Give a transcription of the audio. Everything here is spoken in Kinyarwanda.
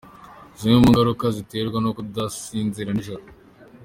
Zimwe mu ngaruka ziterwa no kudasinzira nijoro.